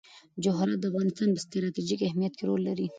جواهرات د افغانستان په ستراتیژیک اهمیت کې رول لري.